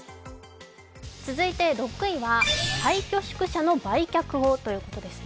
続いて６位は廃虚宿舎の売却をということですね。